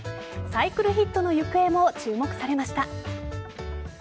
サイクルヒットの行方も注目されました。